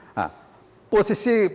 nah posisi ppkm